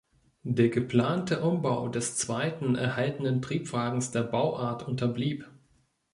Der geplante Umbau des zweiten erhaltenen Triebwagens der Bauart unterblieb.